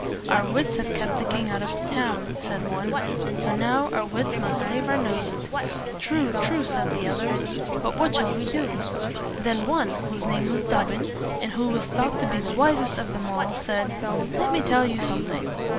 "Our wits have kept the king out of the town," said one; "and so now our wits must save our noses." "True, true!" said the others. "But what shall we do?" Then one, whose name was Dobbin, and who was thought to be the wisest of them all, said, "Let me tell you something.